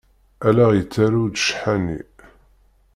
Allaɣ yettarew-d ccḥani.